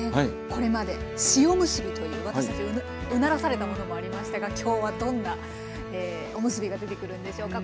これまで塩むすびという私たちうならされたものもありましたが今日はどんなおむすびが出てくるんでしょうか。